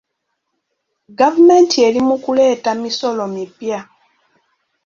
Gavumenti eri mu kuleeta misolo mipya.